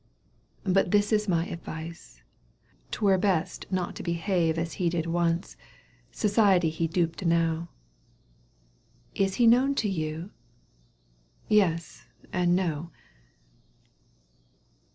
— But this is my advice, Were best Not to behave as he did once— Society he duped enow." " Is he known to you ?"—" Yes and No."